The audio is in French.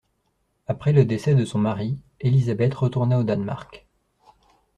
Après le décès de son mari, Élisabeth retourna au Danemark.